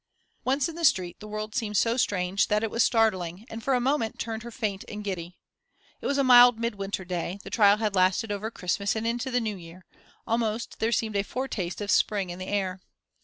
Once in the street the world seemed so strange that it was startling, and for a moment turned her faint and giddy. It was a mild midwinter day the trial had lasted over Christmas and into the new year almost there seemed a foretaste of spring in the air.